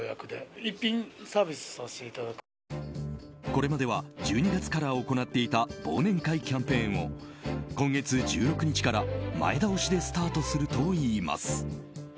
これまでは１２月から行っていた忘年会キャンペーンを今月１６日から前倒しでスタートするといいます。